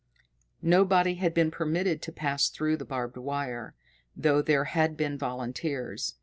Nobody had been permitted to pass through the barbed wire, though there had been volunteers.